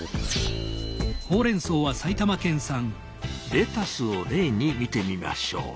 レタスを例に見てみましょう。